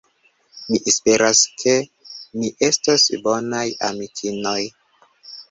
Mi esperas, ke ni estos bonaj amikinoj.